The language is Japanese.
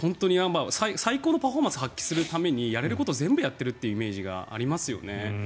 最高のパフォーマンスを発揮するためにやれることは全部やるというイメージがありますよね。